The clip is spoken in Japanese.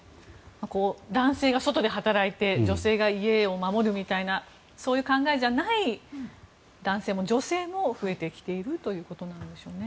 男性が外で働いて女性が家を守るみたいなそういう考えじゃない男性も女性も増えてきているということなんでしょうね。